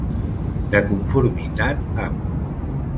De conformitat amb.